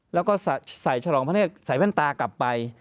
แล้วก็ใส่ฉลองพระเนธใส่แว่นตากลับไป